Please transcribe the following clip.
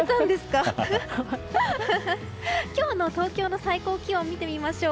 今日の東京の最高気温を見てみましょう。